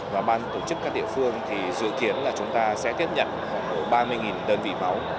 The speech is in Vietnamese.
và ban tổ chức các địa phương thì dự kiến là chúng ta sẽ tiếp nhận khoảng ba mươi đơn vị máu